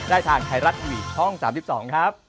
ทางไทยรัฐทีวีช่อง๓๒ครับ